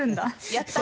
やった！